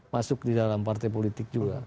masuk di dalam partai politik juga